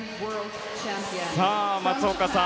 さあ、松岡さん